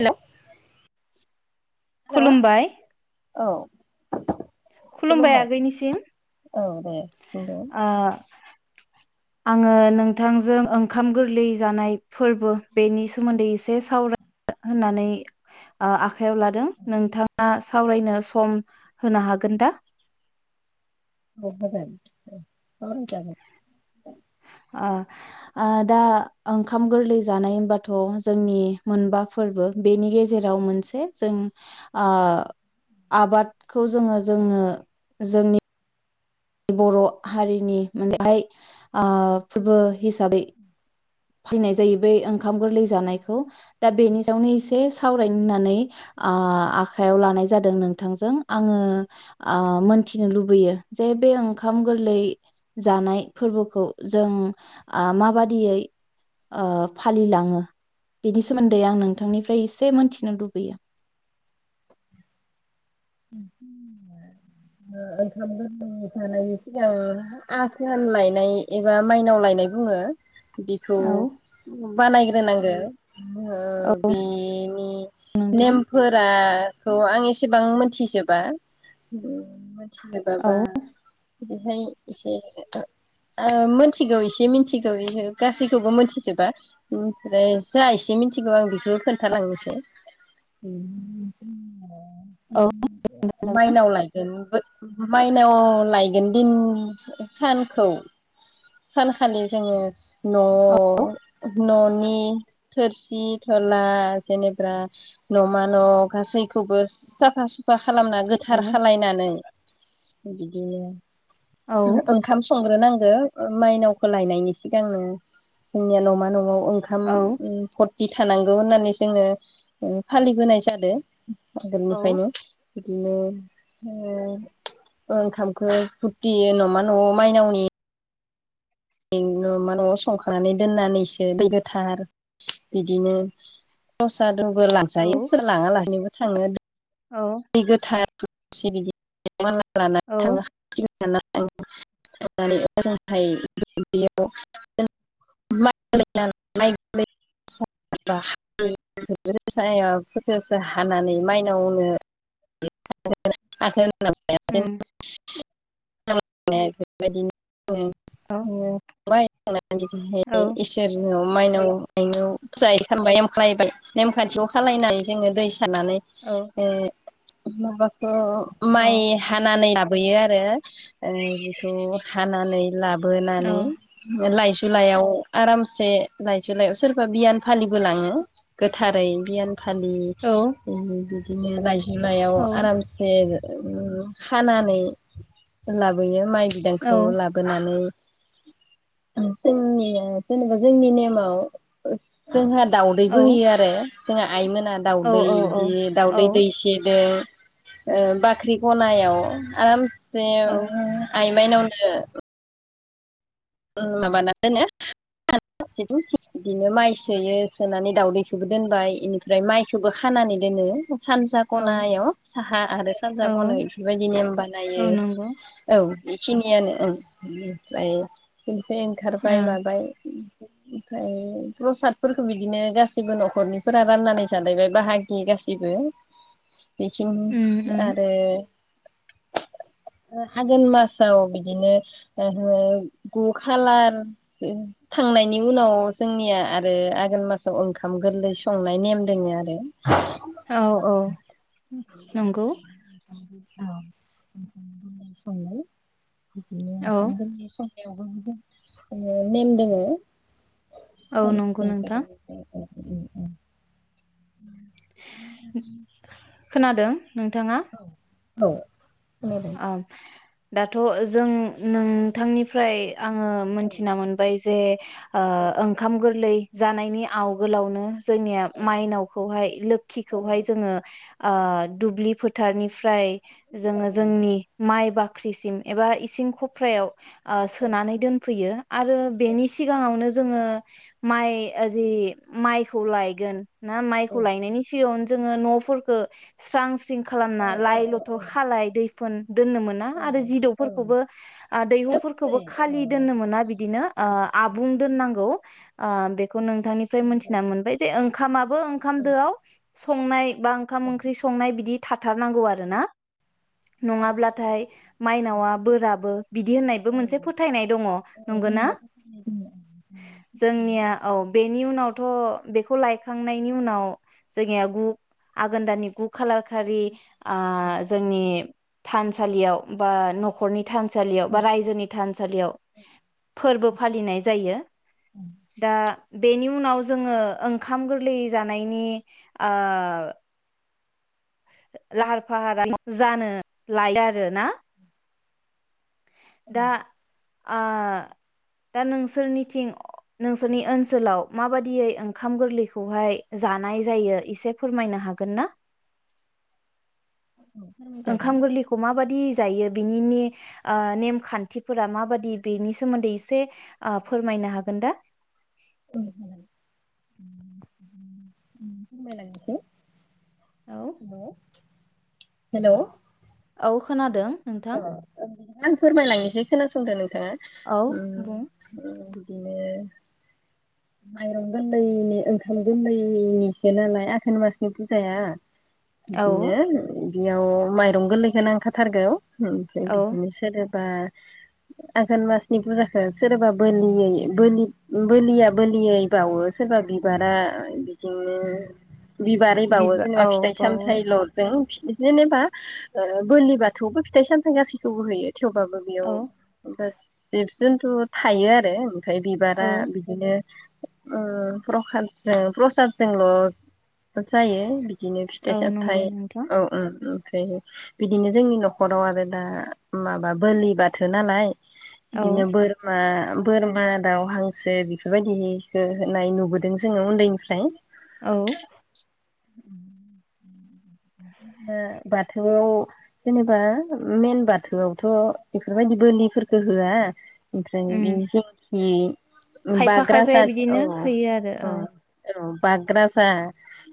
हेल' hello खुलुमबाय औ खुलुमबाय आगैनिसिम औ दे बुंदो ओ आङो नोंथांजों ओंखाम गोरलै जानाय फोर्बो बेनि सोमोन्दै एसे सावरायनो होननानै आखायाव लादों नोंथाङा सावरायनो सम होनो हागोन दा? [unintelligible] ओ ओ दा ओंखाम गोरलै जानाय होनबाथ' जोंनि मोनबा फोर्बो बेनि गेजेराव मोनसे जों ओ आबादखौ जोङो जोङो जोंनि बर' हारिनि मोनबा आ फोरबो हिसाबै फैनाय जाहैबाय ओं ओंखाम गोरलै जानायखौ दा बेनि सायावनो एसे सावरायनोहोन्नानै आ आखाइायाव लानाय जादों नोंथांजों आङो आ मोनथिनो लुबैयो जे बे ओंखाम गोरलै जानाय फोर्बोखौ जों आ माबादियै ओ फालिलाङो बेनि सोमोन्दै आं नोंथांनिफ्राय एसे मोनथिनो लुबैयो ओ ओंखाम गोरलै जानायनि सिगां आथोन लायनाय एबा माइनाव लायनाय बुङो बिखौ औ बानायग्रा [unintelligible] ओ औ बेनि नोंथां नेमफोरा खौ आं एसेबां मोन थिजोबा [unintelligible] औ सोरबाबा बिदिहाय एसे ओ मिथिगौ एसे मिथिगौ गासैखौबो मिथिजोबा ओमफ्राय जा एसे मिथिगौ आं बेखौ खोन्थालांनोसै औ माइनावलाय माइनाव लायगोन दिन सानखौ सानखालि जोङो औ औ न' न'नि थोरसि थला जेनेबा न'मा न' गासैखौबो साफा सुफा खालामना गोथार औ खालायनानै बिदिनो औ ओ ओंखाम सं नांगो माइनावखौ लानायनि सिगांनो जोंनिया न'मा न'आव ओंखाम ओ औ फ बि थानांगौ होननानै जोङो फालिबोनाय जादों ओंखायनो बिदिनो ओ ओंखामखौ फुरथियो नमा न'आव माइनावनि नमा न'आव संखांनानै दोननानैसो दै गोथार बिदिनो प्रसाद रोंबोला औ जायो लाङा लाहैनोबो थाङो औ दै गोथार सि बिदि मालला लानानै औ थाङा [unintelligible] [unintelligible] [unintelligible] हानानै माइनावनो [unintelligible] होम [unintelligible] बेबायदिनो औ [unintelligible] हाय औ इसोरनाव माइनाव मायनाव फुजा खालामानबाय एमखायबाय नेमखान्थिखौ खालायनानै जोङो दै सारनानै औ ओ माबाखौ माइ औ हानानै लाबोयो आरो ओ बेखौ औ जुलाइयाव आरामसे लाइ जुलाइयाव सोरबा बियान फालिबोलाङो गोथारै बियान खालि औ [unintelligible] [unintelligible] जुलायाव औ आरामसे ओ खानानै लाबोयो माइ औ बिदांखौ लाबोनानै जोंनिया जेनेबा जोंनि नेमाव जोंहा औ दाउदैबो होयो आरो जोंङा आइमोना औ दाउदै औ बि औ दाउदै दैसे ओ ओ बाख्रि गनायाव आराम जेयो औ आइ माइनावनो ए उम माबाना दोनो [unintelligible] बिदिनो माइ सोयो सोनानै दावउदैखोबो दोनबाय एनिफ्राय माइखोबो खानानै दोनो सानजा औ खनायाव साहा आरो सानजा औ गनायाव एफोरबायदि नेम बानायो औ नंगौ ओ औ बेखिनियानो ओ ओनिफ्राय इनिफाय ओंखारबाय माबाय ओमफ्राय प्रसादफोरखौ बिदिनो गासैबो न'खरनिफोरा राननानै जालायबाय बाहागि गासैबो बेखिनि उम उम आरो आगोन मासाव बिदिनो ओहो गु खालार थांनायनि उनाव जोंनिया आरो आगोन मासाव ओंखाम गोरलै संनाय नेम दोङो आरो औ औ नंगौ औ [unintelligible] संनाय बिदिनो औ ओंखाम गोरलै संनायावबो ओ नेम दोङो औ [unintelligible] नंगौ नोंथां उम उम खोनादों नोंथाङा औ आफ दाथ' जों नोंथांनिफ्राय आङो मोनथिना मोनबाय जे। ओ ओंखाम गोरलै। जानायनि आवगोलावनो। जोंनिया माइनावखौहाय लोखिखौहाय जोङो ओ दुब्लिफो फोथारनिफ्राय। जोङो। जोंनि माइ बाख ख्रिसिम एबा इसिं खफ्रायाव। ओ सोनानै दोनफैयो आरो बेनि सिगाङावनो जो जोङो माइ जि माइखौ लायगोन। ना माइखौ लायनायनि सिगाङावनो। जोङो न'फोरखौ स्रांस। स्रिं खालामना लइ लथर खालाय दै फोन दोननो मोना आरो जिदौफोरखौबो दैहुफोरखौबो खालि अ दोननो मोना बिदिनो ओ आबुं दोननांगौ आ बे बेखौ नोंथांनिफ्राय मोनथिना मोनबाय जे ओंखामाबो ओंखाम दोआव संनाय एबा ओंखाम ओंख्रि संनाय बिदि थाथारनांगौ आरोना नङाब्लाथाय माइनावा बोराबो बिदि होननायबो मोनसे फोथायनाय दङ औ नंगौना जोंनिया फोथायनाय दङ फोथायो जोंनिया औ बेनि उनावथ बेखौ खौ लायखांनायनि उनाव जोंनि गु आघोन दानि गु खाालार खालि ओ जोंनि थानसालियाव बा नखरनि औ थानसालियाव बा रायजोनि थानसालियाव फोरबो फालिनाय जायो दा बेनि उनाव जोङो ओंखाम गोरलै जानायनि ओ लाहार फाहारा जानो लायो आरो ना औ दा ओ दा नोंसोरनिथिं नोंसोरनि ओनसोलाव माबादियै ओंखाम गोरलैखौहाय जानाय जायो एसे फोरमायनो हागोन ना औ फोरमायजागोन ओंखाम गोरलैखौ माबायदि जायो बिनिनि ओ नेमखान्थिफोरा माबादि बेनि सोमोन्दै एसे ओ फोरमायनो हागोन दा औ हागोन ‌ओ फोरमायलांनायसाइ औ हेलौ हेलौ औ खोनादों। नोंथां औ बिदिबा आं फोरमायलांनोसै। खोनासंदो नों थाङा औ उम बुं बिदिनो माइरं गोरलैनि ओंखाम गोरलैनिसो नालाय आघोन मासनि फुजाया। औ बिदिनो बेयाव माइरं गोरलैखौ नांखाथारगौ। [unintelligible] औ बा आघोन मासनि फुजाखो सोरबा बोलियै बोलि बोलिया बोलियै बावो सोरबा बिबारा बिदिनो बिबारैबावो बिबा जेनेबा औ फिथाइ बावो सामथायइल'जों जेनेबा ओ बोरलि बाथौबो फिथाइ सामथाइ गासिखौबो होयो। थेवबाबो बेयाव औ [unintelligible] जोंथ' थायो आरो फाय बिबारा औ बिदिनो ओ प्रखादजो प्रसादजोंल' जायो। बि दिनो फिथाइ औ सामथाइ नंगौ नोंथां औ ओ ओ ओमफ्रायो बिदिनो जोंनि न' खराव आरो दा माबा बोलि बाथो नालाय औ बिदिनो बोरमा बोरमा दाउ हांसो बेफोरबायदिनिखो होनाय नुबोदों जोङो उन्दैनिफ्राय। औ ओ दाथ' जेनेबा मेन बाथौयावबोथ' बेफोरबायदि बोलिफोरखो होआ। ओमफ्राय उम बेयाव [unintelligible] [unintelligible] खायफा खायफाया बिदिनो होयो आरो औ बाग राजा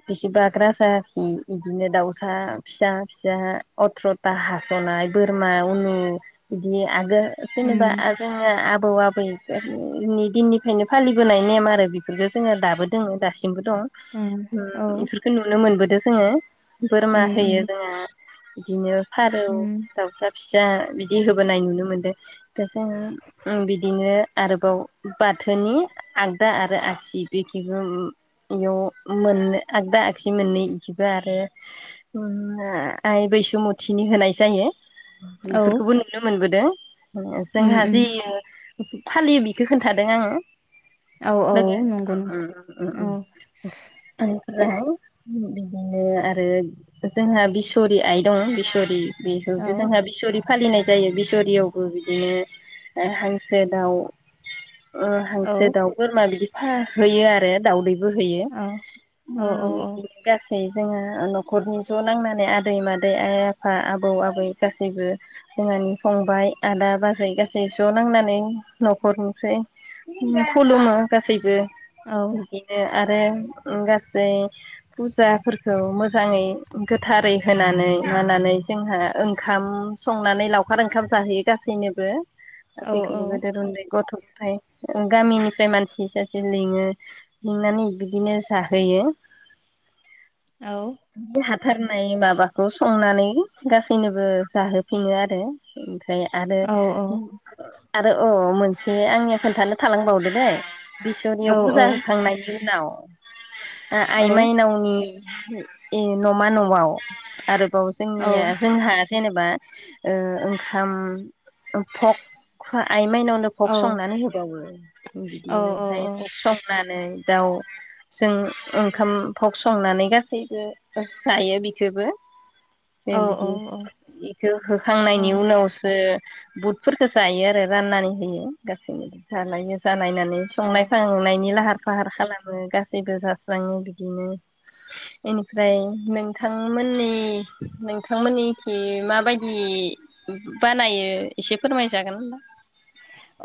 बिखि बाग राजा खि इदिनो दाउ सा फिसा फिसा अथ्र'टा हास'नाय बोरमा उनु बिदि आगोल उम जेनेबा आ जाङा आ बौ आबैफोरनि इनि दिननिफ्रायनो फालिबोनाय नेम आरो बेफोरफोरखो जोङो दाबो दोङो दासि सिमबो दं उम औ उम इफोरखो नुनो मोनबो दों जोङो। बोरमा उम होयो जोङो। बिदिनो फारौ उम दाउसा फिसा बिदि होबोनाय नुनो मोनदों दा जोङो ओं बिदिनो आरोबाव बाथोनि आगदा आरो आगसि बेखिखोगोम बेयाव मोन आगदा आगसि मोननै खिबो आरो उम आइ बैसोमुथिनि होनाय जायो। औ बेफोरखोबो नुनो मोनबोदों। ओ उम उम जोंहाजियो फालियो बेखो खोन्थादों आङो औ औ लोगो नंगौ उम नोंथां उम औ उम उम उम जोहाय बिदिनो आर रो जोंहा बिसरि आइ दङ बिसरि बेखौ औ दो जोंहा बिसरि फालिनाय जायो बिसहरियावबो बिदिनो हांसो दाउ ओ औ हांसो दाउ बोरमा बिदि हा होयो आरो दाउदै बोहोयो औ औ औ ओम गास [unintelligible] ओ न'खरनि ज' नांनानै आदै-मादै आइ-आफा आबौ-आबै गासैबो जोंहानि फंबाय आदा-बाजै गासै ज' नांनानै न'खरनिफ्राय खुलुमो गासैबो। [unintelligible] औ ए ओम गासै फुजाफोरखौ मोज जाङै गोथारै होनानै मानानै जोंहा ओंखाम संनानै लावखार ओंखाम जाहैयो गासैनोबो औ गेदेर उन्दै गथ' फाय गामिनिफ्राय मानसि सासे लिङो लिंनानै बिदिनो जाहोयो औ हाथारनाय माबाखौ संनानै गासैनोबो जाहोफिनो आरो ओम ए औ आरो आरो अ मोनसे आंनि खोन्थानो थालांबावदो दैै बिसरनियाव औ बुजा होखांनायनि उनाव [unintelligible] ओ आइ माइनावनि [unintelligible] ए न'मा न'आव आरोबाव जोंनिया जोंहा जेनेबा ओ ओंखाम ओम फक आ आइ माइनावनो फक संनानै होबावो बिदिनोहाय फख संनान दाउ जों ओंखाम फग संनानै गासै। जायो बिखोबो। बे औ बिदि बेखौ औ होखांनायनि उनावसो। बुदफोरखौ जायो आरो राननानै होयो गासैनो जालायो जालायनानै औ संनाय खांनायनि लाहार फाहार खालामो गासैबो जास्राङो बिदिनो। बेनिफ्राय नोंथांमोननि नोंथांमोननिखै माबायदि बानायो एसे फोरमायजागोन।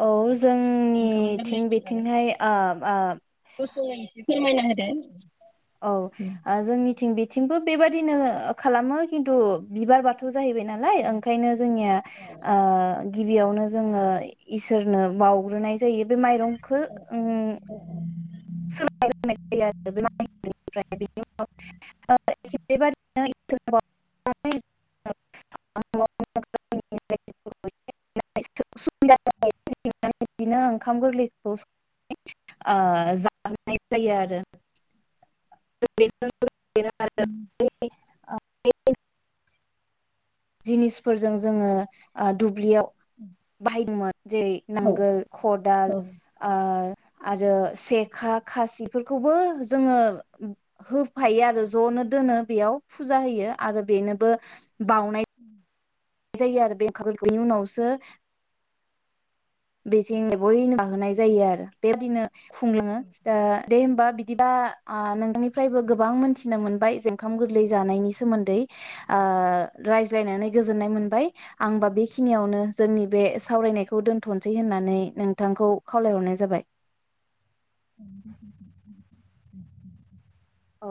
औ जोंनि थिं बिथिंहाय ओ ओ एसे फोरमायना होेदो औ ओ जोंनि थिं बिथिंबो बेबायदिनो खालामो खिन्थु बिबार बाथौ जाहैबाय नालाय ओंखायनो जोंनिया ओ गिबियावनो जोङो इसोरनो बावग्रोनाय जायो बे माइरं खो ओं [inaudible] बिदिनो ओंखाम गोरलैखौ जा नाय जायो आरो। [inaudible] [inaudible] जिनिसफोरजों जोङो ओ दुब्लियाव बाहायदोंमोन जेरै नांगोल खदाल ओ आरो सेखा खासिफोरखौबो जोङो होफायो आरो जनो दोनो बेयाव फुजा होयो आरो बेनोबो बाउनाय [inaudible] जायो आरो बे [inaudible] बेनि उनावसो बे जेंनो बयनो माहोनाय जायो आरो बेबायदिनो खुंलोङो दा दे होमबा बिदिबा आ नोंथांनिफ्रायबो गोबां मोनथिनो मोनबाय जे जोंखाम गोरलै जानायनि सोमोन्दै। ओ रायज्लायनानै गोजोननाय मोनबाय आंबा बेखिनियावनो जोंनि बे सावरायनायखौ दोन थनसै होननानै नोंथांखौ खावलायहरनाय जाबाय। [inaudible] औ।